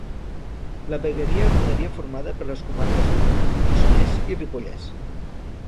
La vegueria quedaria formada per les comarques d'Osona, Lluçanès i Ripollès.